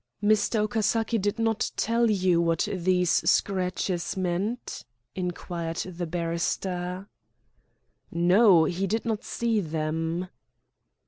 "Mr. Okasaki did not tell you what these scratches meant?" inquired the barrister. "No. He did not see them."